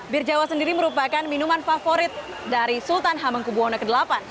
bir jawa sendiri merupakan minuman favorit dari sultan hamengkubwona ke delapan